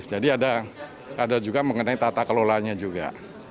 jadi ada juga mengenai tata kelolanya juga